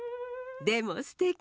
でもすてき。